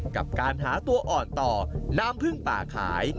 กับการหาตัวอ่อนต่อน้ำพึ่งป่าขาย